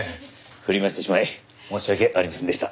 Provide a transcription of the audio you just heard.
振り回してしまい申し訳ありませんでした。